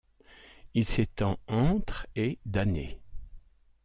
Il s'étend entre et d'années.